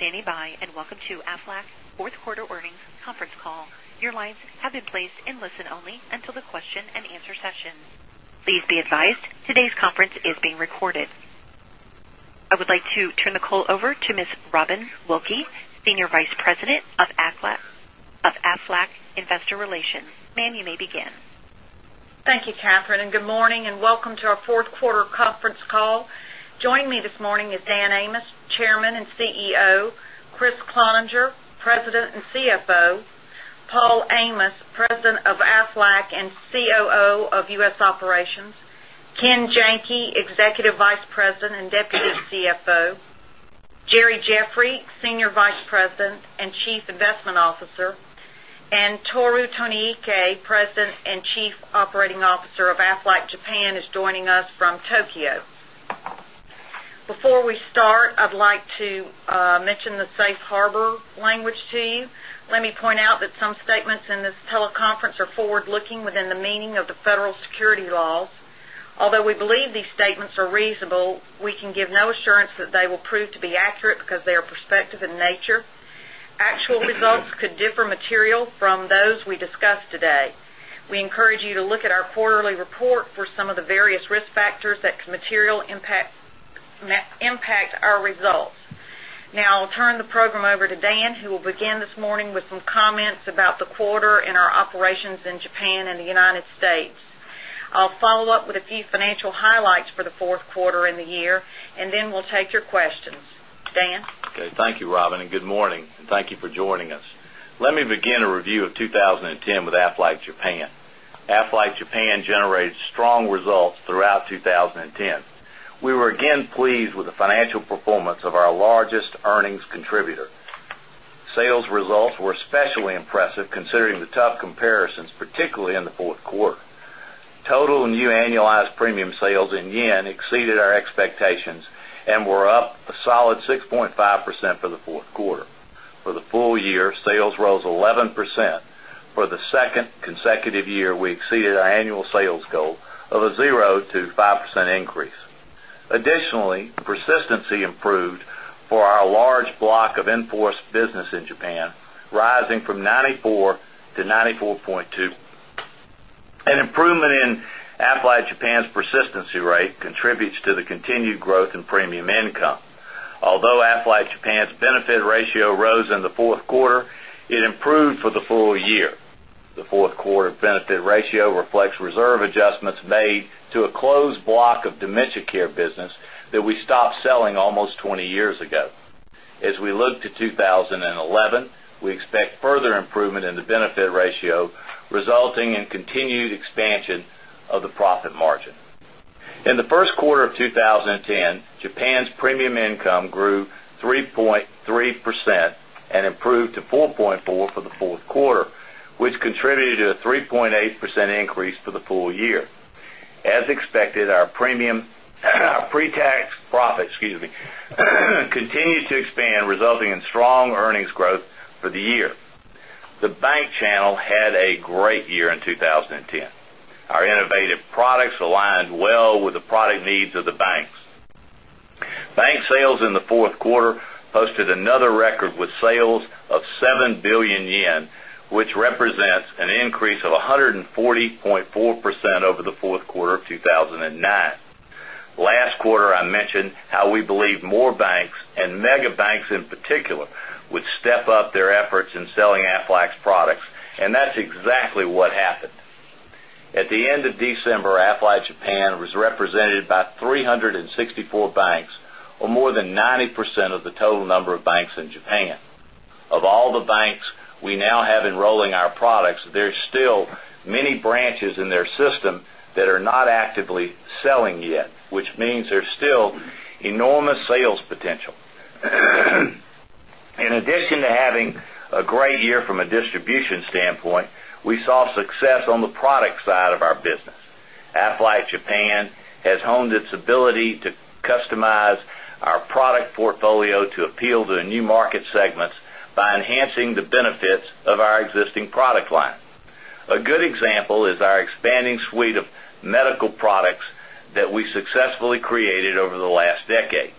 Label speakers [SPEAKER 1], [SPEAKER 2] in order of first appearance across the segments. [SPEAKER 1] Thank you for standing by, and welcome to Aflac's fourth quarter earnings conference call. Your lines have been placed in listen only until the question and answer session. Please be advised, today's conference is being recorded. I would like to turn the call over to Ms. Robin Wilkey, Senior Vice President of Aflac Investor Relations. Ma'am, you may begin.
[SPEAKER 2] Thank you, Catherine, and good morning, and welcome to our fourth quarter conference call. Joining me this morning is Dan Amos, Chairman and CEO. Kriss Cloninger, President and CFO. Paul Amos, President of Aflac and COO of U.S. Operations. Ken Janke, Executive Vice President and Deputy CFO. Jeremy Jeffery, Senior Vice President and Chief Investment Officer. Tohru Tonoike, President and Chief Operating Officer of Aflac Japan, is joining us from Tokyo. Before we start, I'd like to mention the safe harbor language to you. Let me point out that some statements in this teleconference are forward-looking within the meaning of the federal securities laws. Although we believe these statements are reasonable, we can give no assurance that they will prove to be accurate because they are prospective in nature. Actual results could differ material from those we discuss today. We encourage you to look at our quarterly report for some of the various risk factors that could materially impact our results. I'll turn the program over to Dan, who will begin this morning with some comments about the quarter and our operations in Japan and the United States. I'll follow up with a few financial highlights for the fourth quarter and the year, then we'll take your questions. Dan?
[SPEAKER 3] Thank you, Robin, and good morning, and thank you for joining us. Let me begin a review of 2010 with Aflac Japan. Aflac Japan generated strong results throughout 2010. We were again pleased with the financial performance of our largest earnings contributor. Sales results were especially impressive considering the tough comparisons, particularly in the fourth quarter. Total new annualized premium sales in JPY exceeded our expectations and were up a solid 6.5% for the fourth quarter. For the full year, sales rose 11%. For the second consecutive year, we exceeded our annual sales goal of a 0-5% increase. Additionally, persistency improved for our large block of in-force business in Japan, rising from 94 to 94.2. An improvement in Aflac Japan's persistency rate contributes to the continued growth in premium income. Although Aflac Japan's benefit ratio rose in the fourth quarter, it improved for the full year. The fourth quarter benefit ratio reflects reserve adjustments made to a closed block of dementia care business that we stopped selling almost 20 years ago. As we look to 2011, we expect further improvement in the benefit ratio, resulting in continued expansion of the pre-tax profit margin. In the first quarter of 2010, Japan's premium income grew 3.3% and improved to 4.4% for the fourth quarter, which contributed to a 3.8% increase for the full year. As expected, our pre-tax profit continues to expand, resulting in strong earnings growth for the year. The bank channel had a great year in 2010. Our innovative products aligned well with the product needs of the banks. Bank sales in the fourth quarter posted another record with sales of 7 billion yen, which represents an increase of 140.4% over the fourth quarter of 2009. Last quarter, I mentioned how we believe more banks and mega banks in particular, would step up their efforts in selling Aflac's products. That's exactly what happened. At the end of December, Aflac Japan was represented by 364 banks or more than 90% of the total number of banks in Japan. Of all the banks we now have enrolling our products, there's still many branches in their system that are not actively selling yet, which means there's still enormous sales potential. In addition to having a great year from a distribution standpoint, we saw success on the product side of our business. Aflac Japan has honed its ability to customize our product portfolio to appeal to the new market segments by enhancing the benefits of our existing product line. A good example is our expanding suite of medical products that we successfully created over the last decade.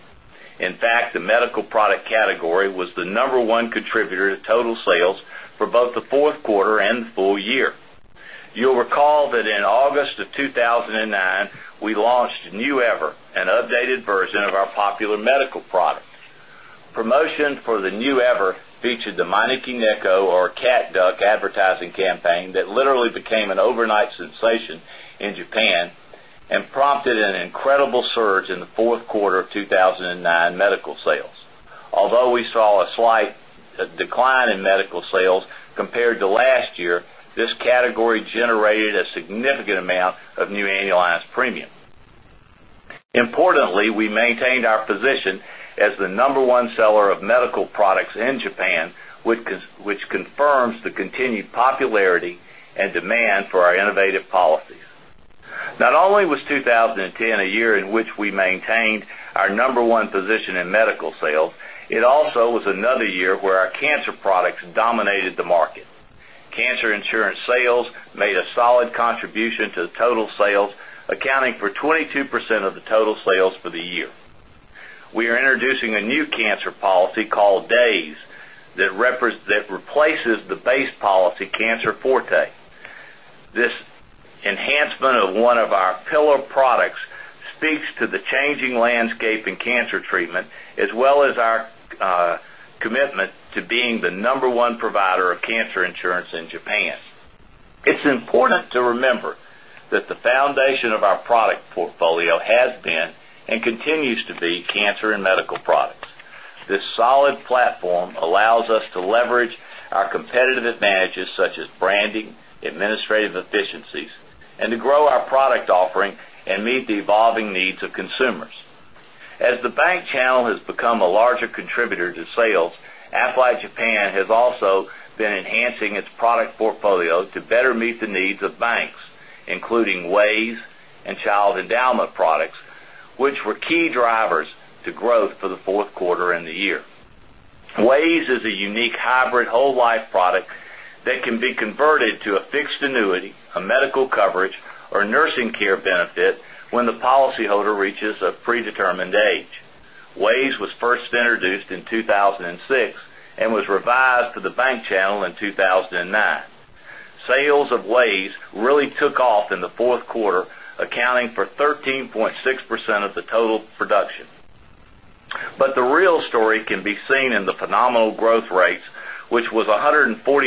[SPEAKER 3] In fact, the medical product category was the number one contributor to total sales for both the fourth quarter and the full year. You'll recall that in August of 2009, we launched New EVER, an updated version of our popular medical product. Promotion for the New EVER featured the Maneki Neko or Cat Duck advertising campaign that literally became an overnight sensation in Japan and prompted an incredible surge in the fourth quarter of 2009 medical sales. Although we saw a slight decline in medical sales compared to last year, this category generated a significant amount of new annualized premium. Importantly, we maintained our position as the number one seller of medical products in Japan, which confirms the continued popularity and demand for our innovative policies. Not only was 2010 a year in which we maintained our number one position in medical sales, it also was another year where our cancer products dominated the market. Cancer insurance sales made a solid contribution to the total sales, accounting for 22% of the total sales for the year. We are introducing a new cancer policy called DAYS that replaces the base policy, Cancer Forte. This enhancement of one of our pillar products speaks to the changing landscape in cancer treatment, as well as our commitment to being the number one provider of cancer insurance in Japan. It's important to remember that the foundation of our product portfolio has been and continues to be cancer and medical products. This solid platform allows us to leverage our competitive advantages, such as branding, administrative efficiencies, and to grow our product offering and meet the evolving needs of consumers. As the bank channel has become a larger contributor to sales, Aflac Japan has also been enhancing its product portfolio to better meet the needs of banks, including WAYS and child endowment products, which were key drivers to growth for the fourth quarter and the year. WAYS is a unique hybrid whole life product that can be converted to a fixed annuity, a medical coverage, or nursing care benefit when the policyholder reaches a predetermined age. WAYS was first introduced in 2006 and was revised for the bank channel in 2009. Sales of WAYS really took off in the fourth quarter, accounting for 13.6% of the total production. The real story can be seen in the phenomenal growth rates, which was 140%.